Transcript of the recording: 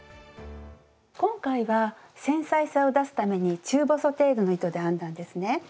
今回は繊細さを出すために中細程度の糸で編んだんですね。